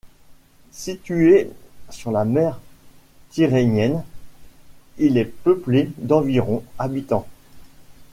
Situé sur la Mer Tyrrhénienne, il est peuplé d'environ habitants.